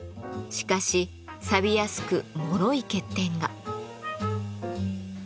しかしさびやすくもろい欠点が。